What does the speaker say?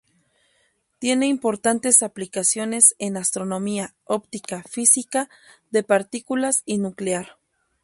Tienen importantes aplicaciones en astronomía, óptica, física de partículas y nuclear.